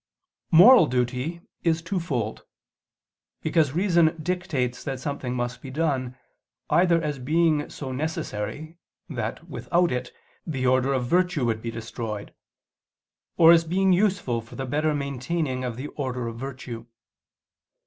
Moral duty is twofold: because reason dictates that something must be done, either as being so necessary that without it the order of virtue would be destroyed; or as being useful for the better maintaining of the order of virtue.